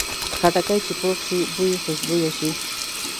خټکی چې پوخ شي، بوی یې خوشبویه شي.